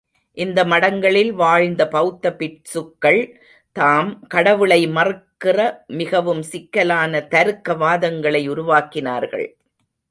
இந்த மடங்களில் வாழ்ந்த பெளத்த பிட்சுக்கள் தாம், கடவுளை மறுக்கிற மிகவும் சிக்கலான தருக்க வாதங்களை உருவாக்கினார்கள்.